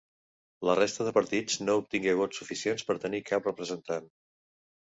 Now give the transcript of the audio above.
La resta de partits no obtingué vots suficients per tenir cap representat.